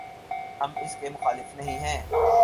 ہم اس کے مخالف نہیں ہیں۔